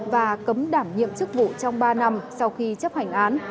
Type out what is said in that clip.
và cấm đảm nhiệm chức vụ trong ba năm sau khi chấp hành án